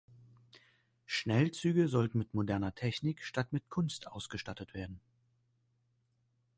Schnellzüge sollten mit moderner Technik statt mit Kunst ausgestattet werden.